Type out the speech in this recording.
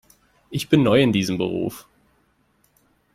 Ich bin neu in diesem Beruf.